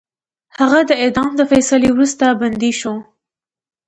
هغه د اعدام د فیصلې وروسته بندي شو.